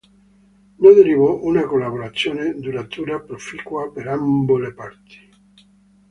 Ne derivò una collaborazione duratura proficua per ambo le parti.